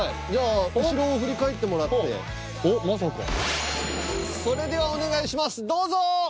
じゃあ後ろを振り返ってもらっておっまさかそれではお願いしますどうぞ！